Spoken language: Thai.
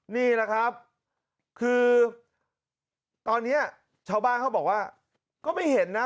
นี่แหละครับคือตอนนี้ชาวบ้านเขาบอกว่าก็ไม่เห็นนะ